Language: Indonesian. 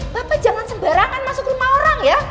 bapak jangan sembarangan masuk rumah orang ya